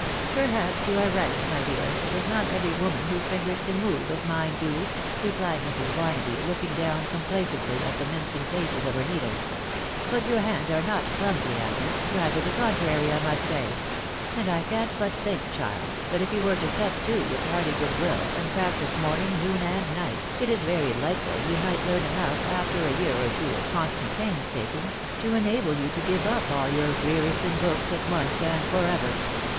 " Perhaps you arc right, my dear, .... it is not every woman whose fingers can move as mine do," replied Mrs. Barnaby, looking down complacently at the mincing paces of her needle ;...." but your hands are not clumsy, Agnes, rather the contrary, I must say ; and I can't but think, child, that if you were to set to with hearty good will, and prac tise morning, noon, and night, it is very likely you might learn enough, after a year or two of constant pains taking, to enable you to give up all your wearisome books at once and for ever.